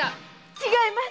違います！